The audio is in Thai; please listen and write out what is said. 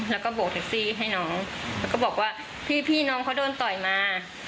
แล้วก็โบกแท็กซี่ให้น้องแล้วก็บอกว่าพี่น้องเขาโดนต่อยมา